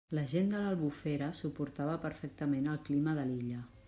La gent de l'Albufera suportava perfectament el clima de l'illa.